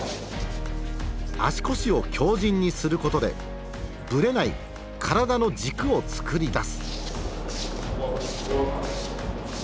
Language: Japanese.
足腰を強靱にすることでぶれない体の軸を作り出す。